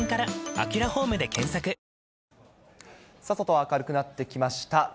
外は明るくなってきました。